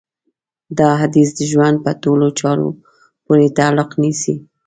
دا حديث د ژوند په ټولو چارو پورې تعلق نيسي.